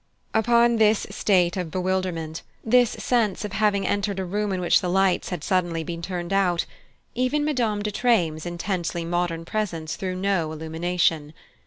Upon this state of bewilderment, this sense of having entered a room in which the lights had suddenly been turned out, even Madame de Treymes' intensely modern presence threw no illumination.